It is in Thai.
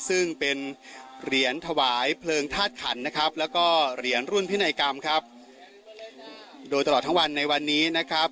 ซึ่งเป็นเหรียญถวายเพลิงธาตุขันนะครับแล้วก็เหรียญรุ่นพินัยกรรมครับโดยตลอดทั้งวันในวันนี้นะครับ